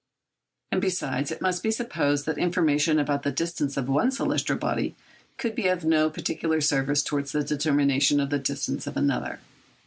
And besides, it might be supposed that information about the distance of one celestial body could be of no particular service towards the determination of the distance of another.